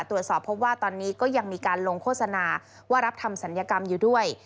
ตรวจสอบพบว่าตอนนี้ก็ยังมีการลงโฆษณาว่ารับทำศัลยกรรมอยู่ด้วย